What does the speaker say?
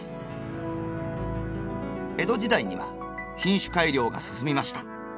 江戸時代には品種改良が進みました。